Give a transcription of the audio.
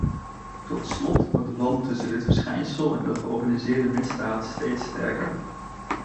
Tot slot wordt de band tussen dit verschijnsel en de georganiseerde misdaad steeds sterker.